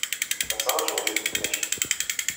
La ttṛajuɣ yiwet n tmacint.